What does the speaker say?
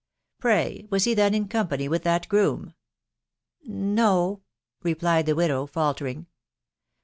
" Pray, was he then in company with that groom?" " No," .... replied the Widow faltering.